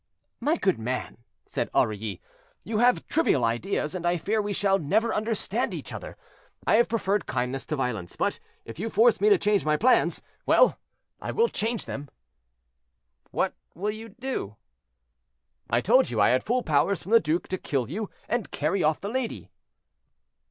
"My good man," said Aurilly, "you have trivial ideas, and I fear we shall never understand each other; I have preferred kindness to violence, but if you force me to change my plans, well! I will change them." "What will you do?" "I told you I had full powers from the duke to kill you and carry off the lady."